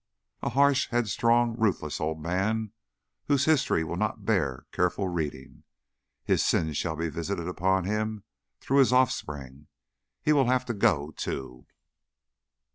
"A harsh, headstrong, ruthless old man whose history will not bear careful reading. His sins shall be visited upon him through his offspring. He will have to go, too."